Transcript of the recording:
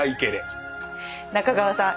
中川さん。